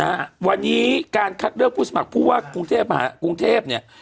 นะฮะวันนี้การคัดเลือกผู้สมัครผู้ว่ากรุงเทพมหากรุงเทพเนี่ย